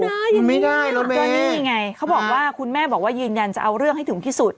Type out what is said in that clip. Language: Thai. ไม่ได้รถเมย์ก็นี่ไงเขาบอกว่าคุณแม่บอกว่ายืนยันจะเอาเรื่องให้ถึงที่สุด